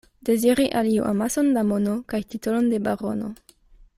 Deziri al iu amason da mono kaj titolon de barono.